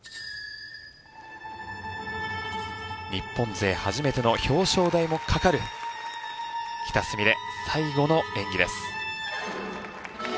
日本勢初めての表彰台もかかる喜田純鈴最後の演技です。